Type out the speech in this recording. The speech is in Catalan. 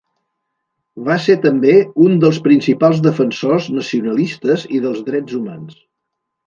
Va ser també un dels principals defensors nacionalistes i dels drets humans.